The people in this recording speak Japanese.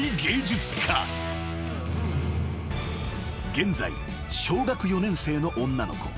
［現在小学４年生の女の子。